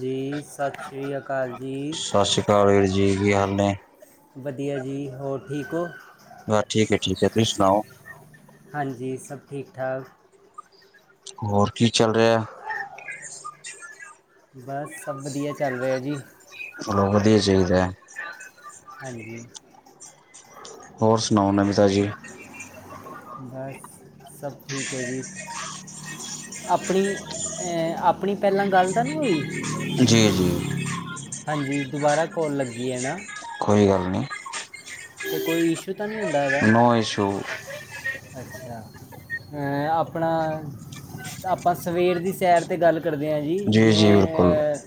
ਜੀ, ਸਤਿ ਸ੍ਰੀ ਅਕਾਲ ਜੀ। ਹੋਰ ਵੀਰ ਜੀ ਕੀ ਹਾਲ ਨੇ? ਵਧੀਆ ਜੀ ਹੋਰ ਠੀਕ ਓ? ਬ ਠੀਕ ਏ ਠੀਕ ਏ ਤੁਸੀ ਸੁਨਾਓ। ਹਾਂਜੀ, ਸਭ ਠੀਕ-ਠਾਕ। ਹੋਰ ਕੀ ਚੱਲ ਰੇਆ ਐ? ਬੱਸ ਸਭ ਵਧੀਆ ਚੱਲ ਰੇਆ ਜੀ। ਚਲੋ ਵਧੀਆ ਈ ਚਾਈਦਾ ਐ। ਹਾਂਜੀ। ਹੋਰ ਸੁਨਾਓ ਨਵੀਂ ਤਾਜੀ ਬਸ ਸਭ ਠੀਕ ਏ ਜੀ। ਅਪਣੀ ਅ ਆਪਣੀ ਪੈਲਾਂ ਗਲ ਤਾਂ ਨੀ ਹੋਈ? ਜੀ-ਜੀ। ਹਾਂਜੀ ਦੁਬਾਰਾ ਕੋਲ ਲੱਗੀ ਐ ਨਾ। ਕੋਈ ਗੱਲ ਨੀ। ਤੇ ਕੋਈ ਇਸ਼ੂ ਤਾਂ ਨੀ ਹੁੰਦਾ ਏਦਾ? ਨੋ ਇਸ਼ੂ ਅੱਛਾ, ਅ ਅਪਣਾ ਆਪਾਂ ਸਵੇਰ ਦੀ ਸੈਰ ਤੇ ਗੱਲ ਕਰਦੇ ਆਂ ਜੀ ਜੀ ਬਿਲਕੁਲ ਜਿਵੇਂ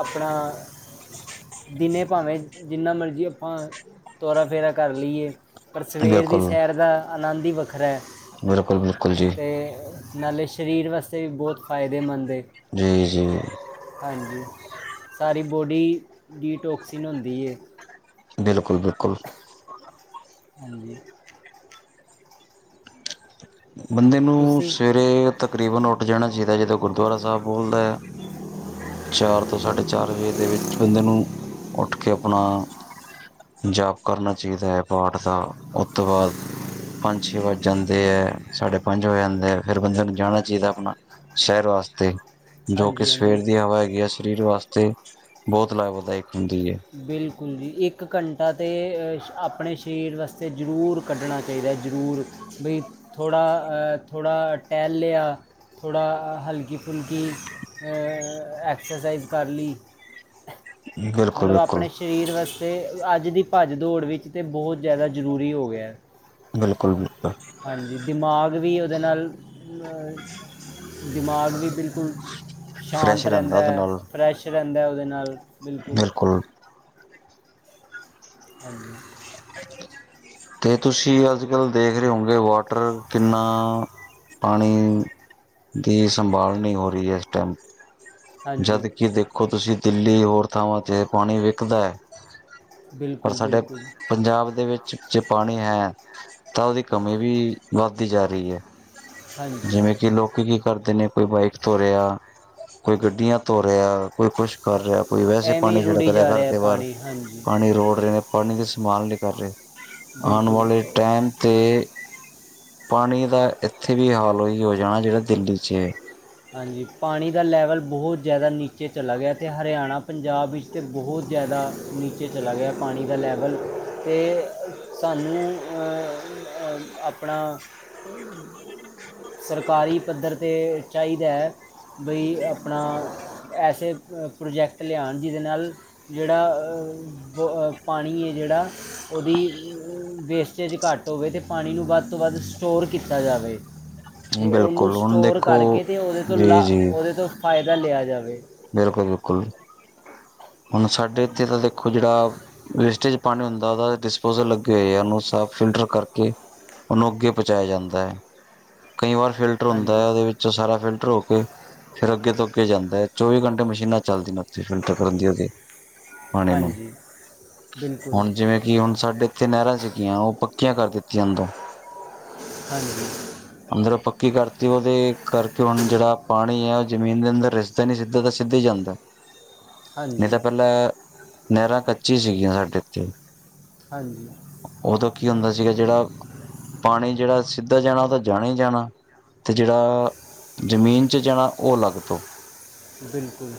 ਅਪਣਾ ਦਿਨੇ ਭਾਵੇਂ ਜਿੰਨਾ ਮਰਜੀ ਆਪਾਂ ਤੋਰਾ ਫੇਰਾ ਕਰ ਲਈਏ ਪਰ ਸਵੇਰ ਦੀ ਬਿਲਕੁਲ ਸੈਰ ਦਾ ਆਨੰਦ ਈ ਵੱਖਰਾ ਐ। ਬਿਲਕੁਲ, ਬਿਲਕੁਲ ਜੀ। ਤੇ ਨਾਲੇ ਸਰੀਰ ਵਾਸਤੇ ਬਹੁਤ ਫਾਇਦੇਮੰਦ ਏ। ਜੀ-ਜੀ। ਹਾਂਜੀ, ਸਾਰੀ ਬੋਡੀ, ਡੀ ਟੋਕਸੀਨ ਹੁੰਦੀ ਏ। ਬਿਲਕੁਲ-ਬਿਲਕੁਲ। ਹਾਂਜੀ। ਬੰਦੇ ਨੂੰ ਤੁਸੀਂ ਸਵੇਰੇ ਤਕਰੀਬਨ ਉੱਠ ਜਾਣਾ ਚਾਹੀਦਾ ਜਦੋਂ ਗੁਰਦੁਆਰਾ ਸਾਹਿਬ ਬੋਲਦਾ। ਚਾਰ ਤੋਂ ਸਾਢੇ ਚਾਰ ਵਜੇ ਦੇ ਵਿੱਚ ਬੰਦੇ ਨੂੰ, ਉੱਠ ਕੇ ਆਪਣਾ ਜਾਪ ਕਰਨਾ ਚਾਹੀਦਾ ਏ ਪਾਠ ਦਾ ਉਸ ਤੋਂ ਬਾਅਦ ਪੰਜ ਛੇ ਵੱਜ ਜਾਂਦੇ ਐ। ਸਾਢੇ ਪੰਜ ਹੋ ਜਾਂਦੇ ਆ ਫ਼ਿਰ ਬੰਦੇ ਨੂੰ ਜਾਣਾ ਚਾਹੀਦਾ ਆਪਣਾ, ਸ਼ੈਰ ਵਾਸਤੇ ‌। ਜੋ ਕੇ ਹਾਂਜੀ ਸਵੇਰ ਹਾਂਜੀ ਦੀ ਹਵਾ ਹੈਗੀ ਹੈ ਸਰੀਰ ਵਾਸਤੇ, ਬਹੁਤ ਲਾਭਦਾਇਕ ਹੁੰਦੀ ਏ। ਬਿਲਕੁਲ ਜੀ, ਇੱਕ ਘੰਟਾ ਤਾਂ ਆਪਣੇ ਸਰੀਰ ਵਾਸਤੇ ਜ਼ਰੂਰ ਕੱਢਣਾ ਚਾਹੀਦਾ ਜ਼ਰੂਰ, ਬਈ ਥੋੜ੍ਹਾ, ਥੋੜ੍ਹਾ ਟਹਿਲ ਲਿਆ। ਥੋੜ੍ਹਾ ਹਲਕੀ-ਫੁਲਕੀ ਐਕਸਰਸਾਈਜ਼ ਕਰਲੀ। ਬਿਲਕੁਲ ਮਤਲਬ ਬਿਲਕੁਲ ਆਪਣੇ ਸਰੀਰ ਵਾਸਤੇ ਅੱਜ ਦੀ ਭੱਜ ਦੌੜ ਵਿੱਚ ਤਾਂ ਬਹੁਤ ਜ਼ਿਆਦਾ ਜ਼ਰੂਰੀ ਹੋ ਗਿਆ। ਬਿਲਕੁਲ-ਬਿਲਕੁਲ। ਜੀ ਦਿਮਾਗ ਵੀ ਉਹਦੇ ਨਾਲ, ਦਿਮਾਗ ਵੀ ਬਿਲਕੁਲ ਸ਼ਾਂਤ ਫਰੈਸ਼ ਰਹਿੰਦਾ, ਉਹਦੇ ਨਾਲ ਫਰੈਸ਼ ਰਹਿੰਦਾ ਉਹਦੇ ਨਾਲ ਬਿਲਕੁਲ। ਹਾਂਜੀ। ਤੇ ਤੁਸੀਂ ਅੱਜਕੱਲ੍ਹ ਦੇਖ ਰਹੇ ਹੋਗੇ ਵਾਟਰ ਕਿੰਨਾ ਪਾਣੀ, ਦੀ ਸੰਭਾਲ ਨਹੀਂ ਹੋ ਰਹੀ ਇਸ ਟੈਮ। ਹਾਂਜੀ ਜਦ ਕਿ ਦੇਖੋ ਤੁਸੀਂ ਦਿੱਲੀ ਹੋਰ ਥਾਵਾਂ ਤੇ ਪਾਣੀ ਵਿਕਦਾ ਐ ਪਰ ਬਿਲਕੁਲ ਸਾਡੇ ਬਿਲਕੁਲ ਪੰਜਾਬ ਦੇ ਵਿੱਚ ਜੇ ਪਾਣੀ ਹੈ, ਤਾਂ ਉਹਦੀ ਕਮੀ ਵੀ ਵੱਧਦੀ ਜਾ ਰਹੀ ਏ। ਹਾਂਜੀ ਜਿਵੇਂ ਕਿ ਲੋਕੀ ਕੀ ਕਰਦੇ ਨੇ ਕੋਈ ਬਾਈਕ ਧੋ ਰਿਆ ਕੋਈ ਗੱਡੀਆਂ ਧੋ ਰਿਆ ਕੋਈ ਕੁਛ ਕਰ ਰਿਹਾ ਕੋਈ ਵੈਸੇ ਐਵੇਂ ਹੀ ਪਾਣੀ ਛਿੜਕ ਰੁੜੀ ਰਿਹਾ ਜਾ ਘਰ ਹੈ ਦੇ ਬਾਹਰ, ਪਾਣੀ ਹਾਂਜੀ ਪਾਣੀ ਰੋੜ ਰਹੇ ਨੇ। ਪਾਣੀ ਦੀ ਸੰਭਾਲ ਨਹੀਂ ਕਰ ਰਹੇ। ਆਣ ਬਿਲਕੁਲ ਵਾਲੇ ਟੈਮ 'ਤੇ ਪਾਣੀ ਦਾ ਇੱਥੇ ਵੀ ਹਾਲ ਉਹੀ ਹੋ ਜਾਣਾ ਜਿਹੜਾ ਦਿੱਲੀ 'ਚ ਏ। ਹਾਂਜੀ ਪਾਣੀ ਦਾ ਲੈਵਲ ਬਹੁਤ ਜ਼ਿਆਦਾ ਨੀਚੇ ਚਲਾ ਗਿਆ ਤੇ ਹਰਿਆਣਾ ਪੰਜਾਬ ਵਿੱਚ ਤੇ ਬਹੁਤ ਜ਼ਿਆਦਾ ਨੀਚੇ ਚਲਾ ਗਿਆ ਪਾਣੀ ਦਾ ਲੈਵਲ ਤੇ ਸਾਨੂੰ ਆਪਣਾ ਸਰਕਾਰੀ ਪੱਧਰ 'ਤੇ ਚਾਹੀਦੈ। ਬਈ ਆਪਣਾ ਐਸੇ ਪ੍ਰੋਜੈਕਟ ਲਿਆਣ ਜਿਹਦੇ ਨਾਲ ਜਿਹੜਾ ਪਾਣੀ ਏ ਜਿਹੜਾ ਉਹਦੀ ਵੇਸਟੇਜ ਘੱਟ ਹੋਵੇ ਤੇ ਪਾਣੀ ਨੂੰ ਵੱਧ ਤੋਂ ਵੱਧ ਸਟੋਰ ਕੀਤਾ ਜਾਵੇ। ਤੇ ਉਹਨੂੰ ਬਿਲਕੁਲ ਹੁਣ ਸਟੋਰ ਦੇਖੋ ਕਰਕੇ ਤੇ ਉਹਦੇ ਤੋਂ ਲਾ ਜੀ ਉਹਦੇ ਤੋਂ ਫਾਇਦਾ ਲਿਆ ਜਾਵੇ। ਬਿਲਕੁਲ-ਬਿਲਕੁਲ, ਹੁਣ ਸਾਡੇ ਹਾਂਜੀ ਇੱਥੇ ਤਾਂ ਦੇਖੋ ਜਿਹੜਾ, ਵੇਸਟੇਜ ਪਾਣੀ ਹੁੰਦਾ ਉਹਦਾ ਡਿਸਪੋਜਲ ਲੱਗੇ ਹੋਏ ਆ ਉਹਨੂੰ ਸਾਫ਼ ਫਿਲਟਰ ਕਰਕੇ ਉਹਨੂੰ ਅੱਗੇ ਪਹੁੰਚਾਇਆ ਜਾਂਦਾ। ਕਈ ਵਾਰ ਫਿਰ ਫਿਲਟਰ ਹਾਂਜੀ ਹੁੰਦਾ ਐ ਉਹਦੇ ਵਿੱਚ ਸਾਰਾ ਫਿਲਟਰ ਹੋ ਕੇ, ਫੇਰ ਅੱਗੇ ਤੋ ਅੱਗੇ ਜਾਂਦਾ ਹੈ ਚੌਵੀ ਘੰਟੇ ਮਸ਼ੀਨਾਂ ਚੱਲਦੀਆਂ। ਤੇ ਫਿਲਟਰ ਕਰਦੀ ਉਹਦੀ, ਪਾਣੀ ਨੂੰ। ਹਾਂਜੀ ਬਿਲਕੁਲ ਹੁਣ ਜਿਵੇਂ ਕਿ ਹੁਣ ਸਾਡੇ ਇੱਥੇ ਨਹਿਰਾਂ ਸੀਗੀਆਂ ਉਹ ਪੱਕੀਆਂ ਕਰ ਦਿੱਤੀਆਂ ਹੁਣ ਤੋਂ। ਹਾਂਜੀ। ਅੰਦਰੋ ਪੱਕੀ ਕਰਤੀ ਉਹਦੇ ਕਰਕੇ ਹੁਣ ਜਿਹੜਾ ਪਾਣੀ ਐ ਉਹ ਜ਼ਮੀਨ ਦੇ ਅੰਦਰ ਰਿਸਦਾ ਨੀ ਸਿੱਧਾ ਦਾ ਸਿੱਧਾ ਈ ਜਾਂਦਾ। [inaudible] ਨਈ ਤਾਂ ਹਾਂਜੀ ਪਹਿਲਾਂ, ਨੇਹਰਾਂ ਕੱਚੀ ਸੀਗੀਆਂ ਸਾਡੇ ਏਥੇ। ਹਾਂਜੀ। ਓਦੋਂ ਕੀ ਹੁੰਦਾ ਸੀਗਾ ਜੇੜਾ ਪਾਣੀ ਜੇੜਾ ਸਿੱਧਾ ਜਾਣਾ ਓਦਾ ਜਾਣਾ ਈ ਜਾਣਾ, ਤੇ ਜਿਹੜਾ ਜ਼ਮੀਨ ਚ ਜਾਣਾ ਉਹ ਅਲੱਗ ਤੋਂ। ਬਿਲਕੁਲ।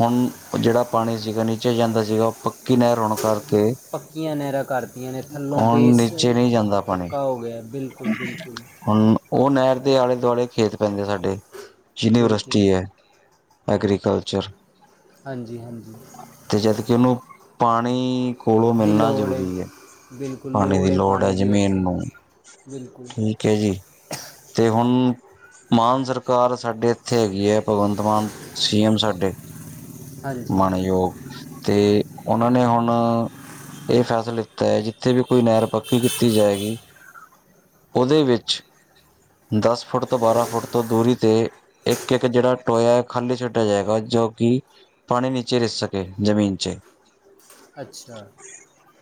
ਹੁਣ, ਜੇੜਾ ਪਾਣੀ ਸੀਗਾ ਨੀਚੇ ਜਾਂਦਾ ਸੀਗਾ ਉਹ ਪੱਕੀ ਨਹਿਰ ਹੋਣ ਕਰਕੇ ਪੱਕੀਆਂ ਨੇਹਰਾਂ ਕਰਤੀਆਂ ਨੇ, ਥੱਲੋਂ ਹੁਣ ਬੇਸ ਨੀਚੇ ਨਹੀਂ ਜਾਂਦਾ ਪੱਕਾ ਹੋ ਗਿਆ ਬਿਲਕੁਲ - ਬਿਲਕੁਲ। ਹਮ ਉਹ ਨੈਰ ਦੇ ਆਲੇ- ਦੁਆਲੇ ਖੇਤ ਪੈਂਦੇ ਸਾਡੇ, ਸਿਨੀਯਰ ਬਿਲਕੁਲ ਯੂਨੀਵਰਸਟੀ ਐ। ਐਗਰੀਕਲਚਰ। ਹਾਂਜੀ- ਹਾਂਜੀ। ਤੇ ਜਦਕਿ ਓਨੂੰ ਪਾਣੀ ਕੋਲੋਂ ਦੀ ਮਿਲਣਾ ਲੋੜ ਹੈ ਜ਼ਰੂਰੀ ਐ, ਬਿਲਕੁਲ ਪਾਣੀ ਦੀ ਹੈ ਲੋੜ ਐ ਪਾਣੀ ਦੀ ਜ਼ਮੀਨ ਉੱਥੇ ਨੂੰ। ਬਿਲਕੁਲ। ਠੀਕ ਏ ਜੀ, ਤੇ ਹੁਣ ਮਾਨਸਰ ਕਾਰ ਸਾਡੇ ਇੱਥੇ ਹੈਗੀ ਐ ਭਗਵੰਤ ਮਾਨ ਸੀ ਐਮ ਸਾਡੇ, ਹਾਂਜੀ ਮਨਯੋਗ ਤੇ ਓਨਾ ਨੇ ਹੁਣ ਇਹ ਫੈਸ ਲੇਤਾ ਏ ਜਿੱਥੇ ਵੀ ਕੋਈ ਨਹਿਰ ਪੱਕੀ ਕੀਤੀ ਜਾਏਗੀ ਓਦੇ ਵਿੱਚ ਦਸ ਫੁੱਟ ਤੋਂ ਬਾਰਾਂ ਫੁੱਟ ਤੋਂ ਦੂਰੀ 'ਤੇ ਇੱਕ- ਇੱਕ ਜੇੜਾ ਟੋਇਆ ਖਾਲੀ ਛੱਡਿਆ ਜਾਏਗਾ ਜੋ ਕਿ ਪਾਣੀ ਨੀਚੇ ਰਿਸ ਸਕੇ, ਜਮੀਨ ਚ। ਅੱਛਾ।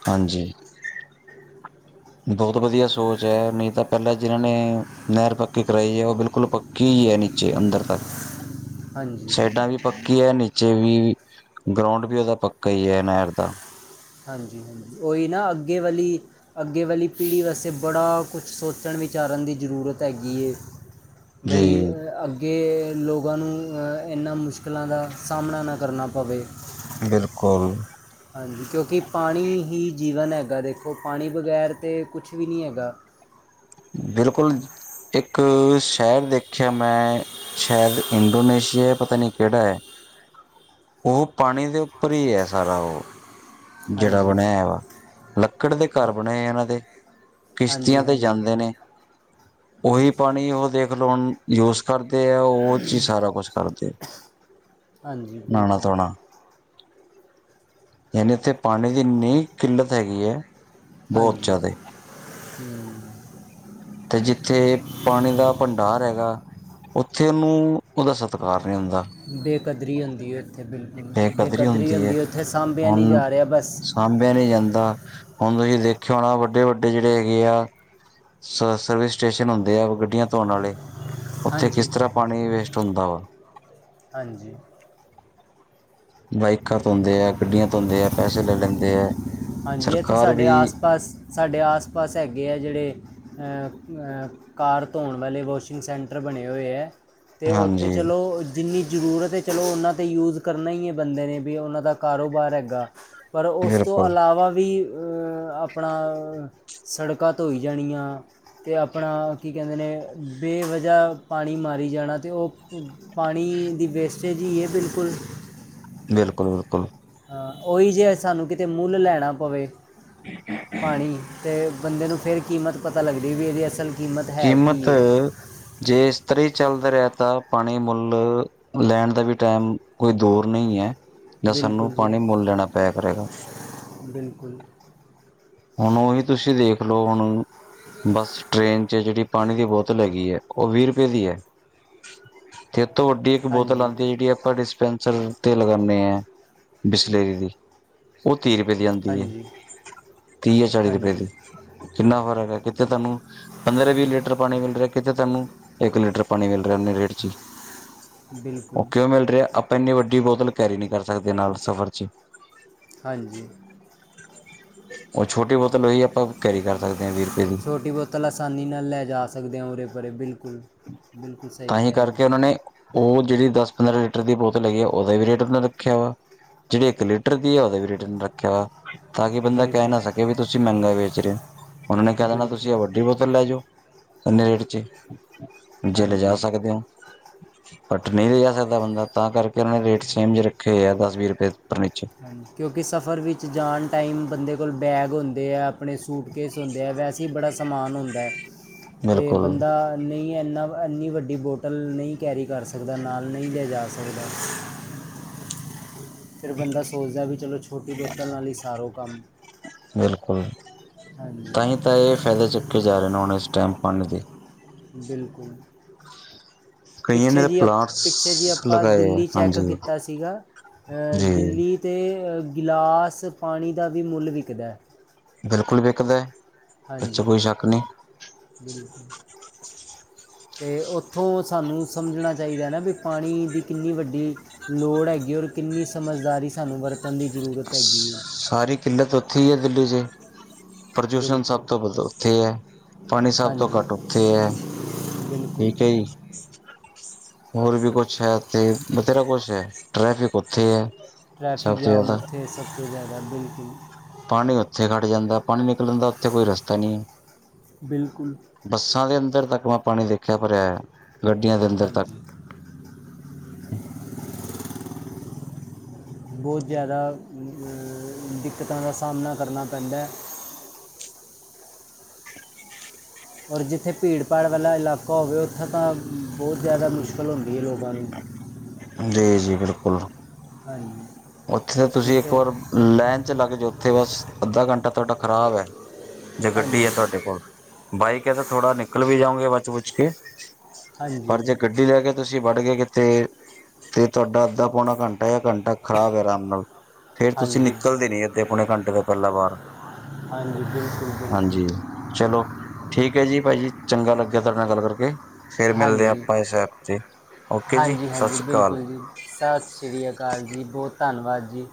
ਹਾਂਜੀ। ਬੋਤ ਵਧੀਆ ਸੋਚ ਐ ਨਈ ਤਾਂ ਪੈਲਾਂ ਜਿਨਾਂ ਨੇ ਨਹਿਰ ਪੱਕੀ ਕਰਾਈ ਏ ਉਹ ਬਿਲਕੁਲ ਪੱਕੀ ਈ ਐ ਨੀਚੇ ਅੰਦਰ ਤੱਕ। ਹਾਂਜੀ ਸੈਡਾਂ ਵੀ ਪੱਕੀ ਐ ਨੀਚੇ ਵੀ, ਗਰੋਂਡ ਵੀ ਓਦਾ ਪੱਕਾ ਈ ਐ ਨੈਰ ਦਾ। ਹਾਂਜੀ - ਹਾਂਜੀ, ਓਈ ਨਾ ਅੱਗੇ ਵਾਲੀ ਅੱਗੇ ਵਾਲੀ ਪੀੜ੍ਹੀ ਵਸਤੇ ਬੜਾ ਕੁਝ ਸੋਚਣ ਵਿਚਾਰਨ ਦੀ ਜ਼ਰੂਰਤ ਹੈਗੀ ਏ। ਬਈ ਜੀ [unintelligible] ਅੱਗੇ ਲੋਕਾਂ ਨੂੰ ਇਨਾਂ ਮੁਸ਼ਕਲਾਂ ਦਾ ਸਾਹਮਣਾ ਨਾ ਕਰਨਾ ਪਵੇ। ਬਿਲਕੁਲ। ਹਾਂਜੀ ਕਿਉਂਕਿ ਪਾਣੀ ਹੀ ਜੀਵਨ ਹੈਗਾ ਦੇਖੋ ਪਾਣੀ ਬਗੈਰ ਤੇ ਕੁਛ ਵੀ ਨੀ ਹੈਗਾ। ਬਿਲਕੁਲ, ਇੱਕ ਸ਼ੈਹਰ ਦੇਖਿਆ ਮੈਂ ਸ਼ੈਦ ਇੰਡੋਨੇਸ਼ੀਆ ਏ ਪਤਾ ਨੀ ਕੇੜਾ ਐ। ਉਹ ਪਾਣੀ ਦੇ ਉੱਪਰ ਈ ਐ ਸਾਰਾ ਉਹ। ਜੇੜਾ ਹਾਂਜੀ ਬਣਿਆ ਵਾ, ਲੱਕੜ ਦੇ ਹਾਂ- ਘਰ ਬਣੇ ਇਨਾਂ ਦੇ, ਕਿਸ਼ਤੀਆਂ ਹਾਂਜੀ ਤੇ ਹਾਂਜੀ ਜਾਂਦੇ ਨੇ ਉਹੀ ਪਾਣੀ ਉਹ ਦੇਖਲੋ ਹੁਨ ਯੋਸ ਕਰਦੇ ਐ ਉਹ ਓਚ ਈ ਸਾਰਾ ਕੁਛ ਕਰਦੇ ਐ। ਹਾਂਜੀ ਬਿਲਕੁਲ। ਯਾਨੀ ਓਥੇ ਪਾਣੀ ਦੀ ਨਈ ਕਿੱਲਤ ਹੈਗੀ ਐ ਹਾਂਜੀ, ਹਮ। ਤੇ ਜਿੱਥੇ ਪਾਣੀ ਦਾ ਭੰਡਾਰ ਹੈਗਾ ਉੱਥੇ ਓਨੂੰ ਓਦਾ ਸਤਿਕਾਰ ਨੀ ਹੁੰਦਾ। ਬੇਕਦਰੀ ਹੁੰਦੀ ਏ ਉੱਥੇ ਬਿਲਕੁਲ, ਬੇਕਦਰੀ ਹੁੰਦੀ ਉੱਥੇ ਸਾਂਭਿਆ ਨੀ ਹੁਣ ਜਾ ਰਿਆ ਬਸ ਸਾਂਭਿਆ ਨੀ ਜਾਂਦਾ ਹੁਣ ਤੁਸੀਂ ਦੇਖਿਓ ਹੋ ਨਾ ਵੱਡੇ- ਵੱਡੇ ਜਿਹੜੇ ਹੈਗੇ ਆ ਸ ਸਰਵਿਸ ਸਟੇਸ਼ਨ ਹੁੰਦੇ ਆ ਗੱਡੀਆਂ ਧੋਣ ਆਲੇ ਉੱਥੇ ਹਾਂਜੀ ਕਿਸ ਤਰ੍ਹਾਂ ਪਾਣੀ ਵੇਸਟ ਹੁੰਦਾ ਵਾ। ਹਾਂਜੀ। ਬਾਈਕਾਂ ਧੋਂਦੇ ਆ, ਗੱਡੀਆਂ ਧੋਂਦੇ ਆ, ਪੈਸੇ ਲੈ ਲੈਂਦੇ ਆ। ਹਾਂਜੀ ਇੱਥੇ ਸਰਕਾਰ ਸਾਡੇ ਵੀ ਆਸ ਪਾਸ, ਸਾਡੇ ਆਸ ਪਾਸ ਹੈਗੇ ਆ ਜਿਹੜੇ ਅ ਕਾਰ ਧੋਣ ਵਾਲੇ ਵਾਸ਼ਿੰਗ ਸੈਂਟਰ ਬਣੇ ਹੋਏ ਐ। ਤੇ ਉੱਥੇ ਹਾਂਜੀ, ਚਲੋ ਜਿੰਨੀ ਜ਼ਰੂਰਤ ਹੈ ਚਲੋ ਉਹਨਾਂ ਤਾਂ ਯੂਜ ਕਰਨਾ ਹੀ ਹੈ ਬੰਦੇ ਨੇ ਵੀ ਉਹਨਾਂ ਦਾ ਕਾਰੋਬਾਰ ਹੈਗਾ। ਪਰ ਉਸ ਤੋਂ ਬਿਲਕੁਲ, ਇਲਾਵਾ ਵੀ ਅ ਆਪਣਾ, ਸੜਕਾਂ ਧੋਈ ਜਾਣੀਆ। ਤੇ ਆਪਣਾ ਕੀ ਕਹਿੰਦੇ ਨੇ ਬੇਵਜ੍ਹਾ ਪਾਣੀ ਮਾਰੀ ਜਾਣਾ ਅਤੇ ਉਹ ਪਾਣੀ ਦੀ ਵੇਸਟੇਜ ਹੀ ਹੈ ਬਿਲਕੁਲ। ਬਿਲਕੁਲ-ਬਿਲਕੁਲ। ਹਾਂ, ਉਹੀ ਜੇ ਅੱਜ ਸਾਨੂੰ ਕਿਤੇ ਮੁੱਲ ਲੈਣਾ ਪਵੇ‌, ਪਾਣੀ ਤੇ ਬੰਦੇ ਨੂੰ ਫੇਰ ਕੀਮਤ ਪਤਾ ਲੱਗਦੀ ਵੀ ਇਹਦੀ ਅਸਲ ਕੀਮਤ ਹੈ ਕੀ ਕੀਮਤ, ਹੈ ਜੇ ਇਸ ਤਰੀ ਹੀ ਚੱਲਦਾ ਰਿਹਾ ਤਾਂ ਪਾਣੀ ਮੁੱਲ ਲੈਣ ਦਾ ਵੀ ਟਾਈਮ ਕੋਈ ਦੂਰ ਨਹੀਂ ਹੈ, ਜਾ ਸਾਨੂੰ ਬਿਲਕੁਲ ਜੀ ਪਾਣੀ ਮੁੱਲ ਲੈਣਾ ਪਿਆ ਕਰੇਗਾ। ਬਿਲਕੁਲ। ਹੁਣ ਉਹੀ ਤੁਸੀਂ ਦੇਖ ਲਓ ਹੁਣ ਬੱਸ ਟ੍ਰੇਨ ਚ ਜਿਹੜੀ ਪਾਣੀ ਦੀ ਬੋਤਲ ਹੈਗੀ ਹੈ। ਉਹ ਵੀਹ ਰੁਪਏ ਦੀ ਐ, ਤੇ ਤੁਹਾਡੀ ਇੱਕ ਬੋਤਲ ਹਾਂਜੀ ਆਂਦੀ ਹੈ ਜਿਹੜੀ ਆਪਾਂ ਡਿਸਪੈਂਸਰ ਤੇ ਓਹ ਲਗਾਣੇ ਆ, ਬਸਲੇਰੀ ਦੀ ਉਹ ਤੀਹ ਰੁਪਏ ਦੀ ਆਂਦੀ ਹੈ। ਹਾਂਜੀ ਤੀਹ ਜਾ ਚਾਲੀ ਰੁਪਏ ਹਾਂਜੀ ਦੀ, ਕਿੰਨਾ ਫਰਕ ਹੈ ਕਿੱਥੇ ਤੁਹਾਨੂੰ ਪੰਦਰਾਂ ਵੀਹ ਲੀਟਰ ਪਾਣੀ ਮਿਲ ਰਿਹਾ ਕਿਤੇ ਤੋਹਾਨੂੰ ਇੱਕ ਲੀਟਰ ਪਾਣੀ ਮਿਲ ਰਿਹਾ ਉਹਨੇ ਰੇਟ ਚ ਹੀ। ਉਹ ਬਿਲਕੁਲ ਕਿਉਂ ਮਿਲ ਰਿਹਾ ਆਪਾਂ ਇੰਨੀ ਵੱਡੀ ਬੋਤਲ ਕੈਰੀ ਨਹੀਂ ਕਰ ਸਕਦੇ ਨਾਲ ਸਫ਼ਰ ਚ। ਹਾਂਜੀ। ਉਹ ਛੋਟੀ ਬੋਤਲ ਉਹੀ ਆਪਾਂ ਕੈਰੀ ਕਰ ਸਕਦੇ ਹਾਂ, ਵੀਹ ਰੁਪਏ ਦੀ। ਛੋਟੀ ਬੋਤਲ ਆਸਾਨੀ ਨਾਲ ਲੈਜਾ ਸਕਦੇ ਹਾਂ ਉਰੇ, ਪਰੇ ਬਿਲਕੁਲ। ਬਿਲਕੁਲ ਸਹੀ ਤਾਂਹੀ ਕਹਿ ਰਹੇ ਕਰਕੇ ਉਨ੍ਹਾਂ ਹੋ ਨੇ ਉਹ ਜਿਹੜੀ ਦਸ ਪੰਦਰਾਂ ਲੀਟਰ ਦੀ ਬੋਤਲ ਹੈਗੀ ਆ ਉਹਦਾ ਵੀ ਰੇਟ ਓਨਾਂ ਰੱਖਿਆ ਵਾ। ਜਿਹੜੀ ਇੱਕ ਲੀਟਰ ਦੀ ਆ ਉਹਦਾ ਵੀ ਰੇਟ ਓਨਾਂ ਰੱਖਿਆ ਵਾ। ਤਾਂ ਕਿ ਬੰਦਾ ਕਹਿ ਬਿਲਕੁਲ ਨਾ ਸਕੇ ਵੀ ਤੁਸੀਂ ਮਹਿੰਗਾ ਵੇਚ ਰਹੇ ਹੋ ਉਹਨਾ ਨੇ ਕਹਿ ਦੇਣਾ ਤੁਸੀਂ ਬਿਲਕੁਲ ਆ ਵੱਡੀ ਬੋਤਲ ਲੈ ਜੋ, ਇੰਨੇ ਰੇਟ ਚ, ਜੇ ਲਜਾ ਹਾਂਜੀ ਸਕਦੇ ਹੋ? ਘੱਟ ਨਹੀਂ ਲਜਾ ਸਕਦਾ ਬੰਦਾ ਤਾਂ ਕਰਕੇ ਉਹਨਾਂ ਨੇ ਰੇਟ ਸੇਮ ਜੇ ਰੱਖੇ ਆ ਦਸ ਵੀਹ ਰੁਪਏ ਉਪਰ ਨੀਚੇ। ਹਾਂ ਕਿਉਂਕਿ ਸਫ਼ਰ ਵਿੱਚ ਜਾਣ ਟਾਈਮ ਬੰਦੇ ਕੋਲ ਬੈਗ ਹੁੰਦੇ ਹੈ, ਆਪਣੇ ਸੂਟ ਕੇਸ ਹੁੰਦੇ ਐ ਵੈਸੇ ਹੀ ਬੜਾ ਸਮਾਨ ਹੁੰਦਾ ਤੇ ਬਿਲਕੁਲ ਬੰਦਾ ਨਹੀਂ ਇੰਨਾ ਇੰਨੀ ਵੱਡੀ ਬੋਟਲ ਨਹੀਂ ਕੈਰੀ ਕਰ ਸਕਦਾ ਨਾਲ ਨਹੀਂ ਲੈ ਜਾ ਸਕਦਾ। ਫਿਰ ਬੰਦਾ ਸੋਚਦਾ ਵੀ ਚਲੋ ਛੋਟੀ ਬੋਤਲ ਨਾਲ ਹੀ ਸਾਰੋ ਕੰਮ। ਬਿਲਕੁਲ, ਤਾਂਹੀ ਹਾਂਜੀ ਤਾਂ ਇਹ ਫਾਇਦੇ ਚੁੱਕੇ ਜਾ ਰਹੇ ਨੇ ਹੁਣ ਇਸ ਟੈਮ ਪਾਣੀ ਦੇ। ਬਿਲਕੁਲ। ਕਈਆਂ ਨੇ ਪਿੱਛੇ ਤਾਂ ਜੀ ਅ ਪਿੱਛੇ ਜੀ ਪਲਾਂਟਸ ਆਪਾਂ ਲਗਾਏ ਆ ਦਿੱਲੀ ਚੈੱਕ ਹਾਂਜੀ ਕੀਤਾ ਸੀਗਾ। ਅ ਜੀ ਦਿੱਲੀ ਤੇ ਗਿਲਾਸ ਪਾਣੀ ਦਾ ਵੀ ਮੁੱਲ ਵਿਕਦਾ। ਬਿਲਕੁਲ ਵਿਕਦਾ। ਇਹ 'ਚ ਹਾਂਜੀ, ਕੋਈ ਸ਼ੱਕ ਨਹੀਂ ਬਿਲਕੁਲ। ਤੇ ਉੱਥੋਂ ਸਾਨੂੰ ਸਮਝਣਾ ਚਾਹੀਦਾ ਆ ਨਾ ਵੀ ਪਾਣੀ ਦੀ ਕਿੰਨੀ ਵੱਡੀ ਲੋੜ ਹੈਗੀ ਹੈ ਔਰ ਕਿੰਨੀ ਸਮਝਦਾਰੀ ਸਾਨੂੰ ਵਰਤ ਸਾਰੀ ਕਿੱਲਤ ਉੱਥੇ ਹੀ ਹੈ ਦਿੱਲੀ ਚ। ਪ੍ਰਦੂਸ਼ਣ ਬਿਲਕੁਲ ਸਭ ਵੱਧ ਤੋਂ ਉੱਥੇ ਹੈ, ਪਾਣੀ ਸਭ ਤੋਂ ਹਾਂਜੀ ਘੱਟ ਉੱਥੇ ਹੈ। ਬਿਲਕੁਲ ਠੀਕ ਹੈ ਜੀ। ਹੋਰ ਵੀ ਕੁਛ ਹੈ ਤੇ, ਬਥੇਰਾ ਕੁਛ ਹੈ, ਟ੍ਰੈਫਿਕ ਉੱਥੇ ਐ। ਟ੍ਰੈਫਿਕ ਜਾਮ ਉੱਥੇ, ਸਭ ਤੋਂ ਜ਼ਿਆਦਾ ਬਿਲਕੁਲ। ਪਾਣੀ ਉੱਥੇ ਖੜ ਜਾਂਦਾ, ਪਾਣੀ ਨਿਕਲਣ ਦਾ ਉੱਥੇ ਕੋਈ ਰਸਤਾ ਨਹੀਂ। ਬਿਲਕੁਲ ਬੱਸਾਂ ਦੇ ਅੰਦਰ ਤੱਕ ਮੈਂ ਪਾਣੀ ਦੇਖਿਆ ਭਰਿਆ ਐ। ਹਾਂਜੀ। ਬਹੁਤ ਜ਼ਿਆਦਾ ਦਿੱਕਤਾਂ ਦਾ ਸਾਹਮਣਾ ਕਰਨਾ ਪੈਂਦਾ। ਔਰ ਜਿੱਥੇ ਭੀੜ-ਭਾੜ ਵਾਲਾ ਇਲਾਕਾ ਹੋਵੇ, ਉੱਥੇ ਤਾਂ ਬਹੁਤ ਜ਼ਿਆਦਾ ਮੁਸ਼ਕਿਲ ਹੁੰਦੀ ਐ ਲੋਕਾਂ ਨੂੰ। ਜੀ-ਜੀ ਬਿਲਕੁਲ, ਹਾਂਜੀ ਉੱਥੇ ਤੁਸੀਂ ਇੱਕ ਜਿੱਥੇ ਵਾਰ ਲਾਈਨ'ਚ ਲੱਗਜੋ ਉੱਥੇ ਬਸ, ਅੱਧਾ ਘੰਟਾ ਤੁਹਾਡਾ ਖ਼ਰਾਬ ਐ। ਜੇ ਗੱਡੀ ਐ ਤੁਹਾਡੇ ਹਾਂਜੀ ਕੋਲ, ਬਾਈਕ ਹੈ ਤਾ ਥੋੜਾ ਨਿਕਲ ਵੀ ਜਾਓੰਗੇ ਬਚ-ਬੁੱਚ ਕੇ। ਪਰ ਹਾਂਜੀ ਜੇ ਗੱਡੀ ਲੈਕੇ ਤੁਸੀਂ ਵੜਗੇ ਕਿਥੇ ਤੇ ਤੁਹਾਡਾ ਅੱਧਾ, ਪੌਣਾ ਘੰਟਾ, ਯਾ ਘੰਟਾ ਖ਼ਰਾਬ ਐ ਅਰਾਮ ਨਾਲ, ਫੇਰ ਤੁਸੀਂ ਹਾਂਜੀ ਨਿਕਲਦੇ ਨੀ ਅੱਧੇ-ਪੌਣੇ ਘੰਟੇ ਤੋਂ ਪਹਿਲਾਂ ਬਾਹਰ। ਹਾਂਜੀ ਬਿਲਕੁਲ-ਬਿਲਕੁਲ। ਚਲੋ, ਠੀਕ ਐ ਜੀ ਭਾਜੀ, ਚੰਗਾ ਲੱਗਿਆ ਤੁਹਾਡੇ ਨਾਲ ਗੱਲ ਕਰਕੇ। ਫਿਰ ਮਿਲਦੇ ਆ ਹਾਂਜੀ ਆਪਾਂ, ਇਸ ਐਪ ਤੇ, ਓਕੇ ਜੀ। ਹਾਂਜੀ ਸਤਿ ਹਾਂਜੀ ਸ਼੍ਰੀ ਅਕਾਲ ਬਿਲਕੁਲ ਜੀ, ਸਤਿ ਸ਼੍ਰੀ ਅਕਾਲ ਜੀ, ਬਹੁਤ ਧੰਨਵਾਦ ਜੀ।